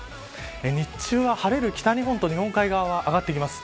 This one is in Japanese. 日中は晴れる北日本と日本海側は上がってきます。